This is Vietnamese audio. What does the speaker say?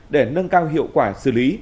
để nâng cao hiệu quả xử lý